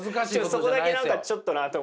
そこだけ何かちょっとなあって。